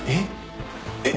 えっ？